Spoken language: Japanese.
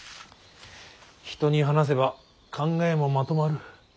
人に話せば考えもまとまる。